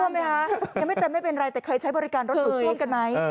ไหมคะยังไม่เต็มไม่เป็นไรแต่เคยใช้บริการรถหรูซ่วมกันไหม